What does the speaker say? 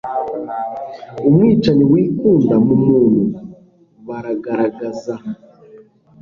Umwicanyi wikunda mumuntu baragaragaza